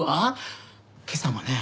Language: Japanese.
今朝もね